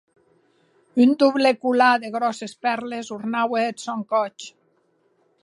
Un doble colar de gròsses pèrles ornaue eth sòn còth.